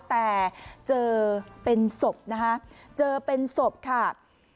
แต่เจอเป็นศพนะคะเจอเป็นศพค่ะ